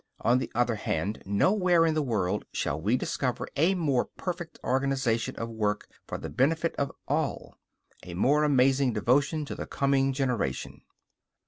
On the other hand, nowhere in the world shall we discover a more perfect organization of work for the benefit of all, a more amazing devotion to the coming generation.